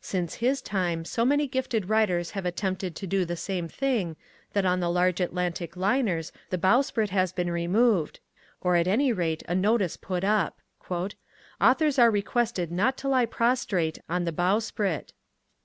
Since his time so many gifted writers have attempted to do the same thing that on the large Atlantic liners the bowsprit has been removed, or at any rate a notice put up: "Authors are requested not to lie prostrate on the bowsprit."